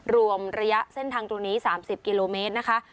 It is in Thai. รวมระยะเส้นทางตรงนี้๓๐กิโลเมตรนะคะ